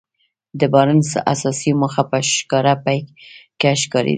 د بارنس اساسي موخه په ښکاره پيکه ښکارېده.